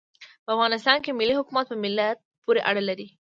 په افغانستان کې ملي حاکمیت په ملت پوري اړه لري.